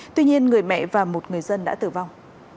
tuy nhiên người mẹ và một người dân đã tử vong